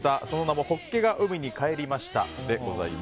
その名も「ホッケが海に帰りました」。